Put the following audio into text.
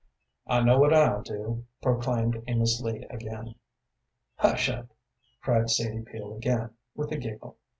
"I know what I'll do," proclaimed Amos Lee again. "Hush up!" cried Sadie Peel again, with a giggle.